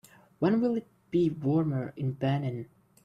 When will it be warmer in Benin